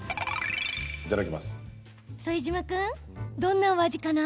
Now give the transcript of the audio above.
副島君、どんなお味かな？